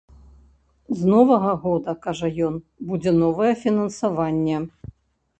З новага года, кажа ён, будзе новае фінансаванне.